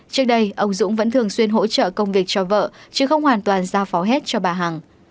trước đây ông dũng vẫn thường xuyên hỗ trợ công việc cho vợ chứ không hoàn toàn giao phó hết cho bà hằng